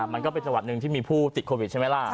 มันก็เป็นจังหวัดหนึ่งที่มีผู้ติดโควิดใช่ไหมล่ะ